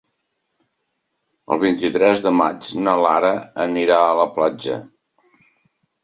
El vint-i-tres de maig na Lara anirà a la platja.